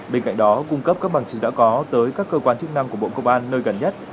bên cạnh đó cung cấp các bằng chứng đã có tới các cơ quan chức năng của bộ công an nơi gần nhất